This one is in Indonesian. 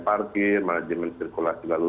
parkir manajemen sirkulasi lalu